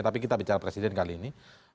tapi kita bicara presiden kali ini